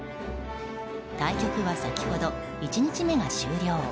対局は先ほど１日目が終了。